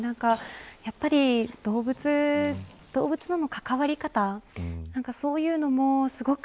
やっぱり動物との関わり方なんかそういうのもすごく